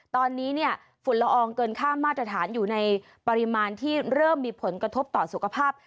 ตอนนี้เนี่ยฝุ่นละอองเกินค่ามาตรฐานอยู่ในปริมาณที่เริ่มมีผลกระทบต่อสุขภาพ